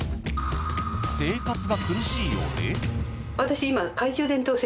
生活が苦しいようで。